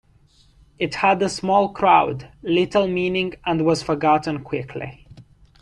It had a small crowd, little meaning and was forgotten quickly.